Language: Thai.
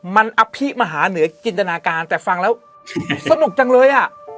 มันอภิมหาเหนือจินตนาการแต่ฟังแล้วสนุกจังเลยอ่ะ